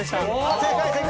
正解！